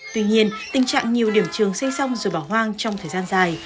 tuy nhiên tình trạng nhiều điểm trường xây xong rồi bỏ hoang trong thời gian dài